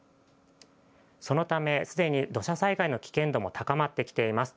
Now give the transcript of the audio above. そのため、すでに土砂災害の危険度も高まってきています。